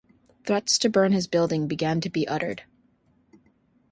Threats to burn his building began to be uttered.